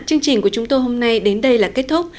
chương trình của chúng tôi hôm nay đến đây là kết thúc